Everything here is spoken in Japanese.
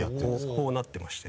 こうなってまして。